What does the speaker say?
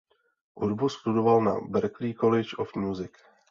Hudbu studoval na Berklee College of Music.